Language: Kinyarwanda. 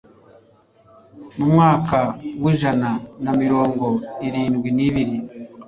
mu mwaka w'ijana na mirongo ir indwi n'ibiri